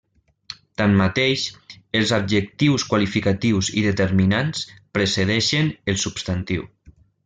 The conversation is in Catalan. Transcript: Tanmateix, els adjectius qualificatius i determinants precedeixen el substantiu.